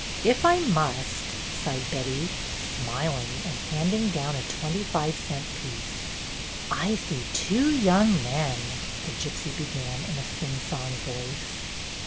"If I must," sighed Betty, smiling, and handing down a twenty five cent piece. "I see two young men," the gypsy began, in a sing song voice.